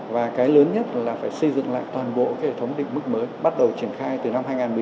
và cái lớn nhất là phải xây dựng lại toàn bộ hệ thống định mức mới bắt đầu triển khai từ năm hai nghìn một mươi tám